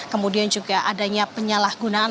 kemudian juga adanya penyalahgunaan